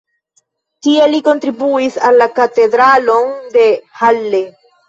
Tie li konstruigis la Katedralon de Halle.